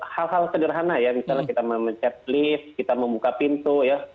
hal hal sederhana ya misalnya kita memecet lift kita membuka pintu ya